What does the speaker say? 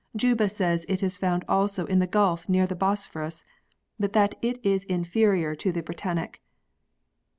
Juba says it is found also in the Gulf near the Bosphorus, but that it is inferior to the Brettanic.